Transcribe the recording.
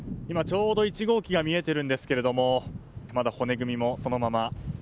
今、ちょうど１号機が見えているんですけれどもまだ骨組みもそのまま。